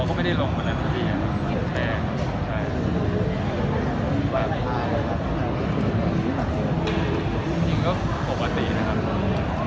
ผมก็ได้พีชคุยกันทุกวัน